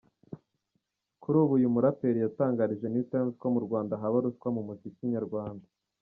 Kuri ubu uyu muraperi yatangarije Newtimes ko mu Rwanda haba ruswa mu muziki nyarwanda.